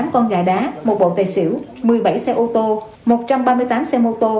tám con gà đá một bộ tài xỉu một mươi bảy xe ô tô một trăm ba mươi tám xe mô tô